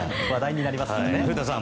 古田さん。